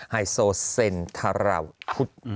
ไฮโซเซ็นทราวพุธ